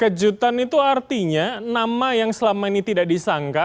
kejutan itu artinya nama yang selama ini tidak disangka